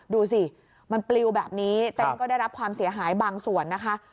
ดูสิมันปลิวแบบนี้เต้นก็ได้รับความเสียหายบางส่วนนะคะ